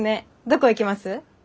どこ行きます？